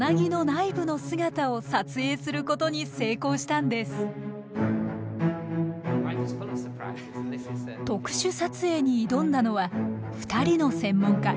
特殊撮影に挑んだのは２人の専門家。